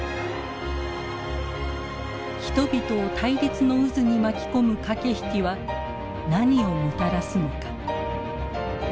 人々を対立の渦に巻き込む駆け引きは何をもたらすのか。